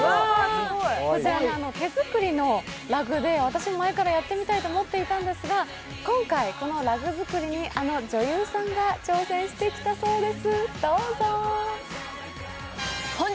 こちら、手作りのラグで私も前からやってみたいと思っていたんですが、今回このラグ作りにあの女優さんが挑戦してきたそうです。